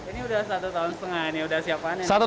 ini udah satu lima tahun ini udah siap panen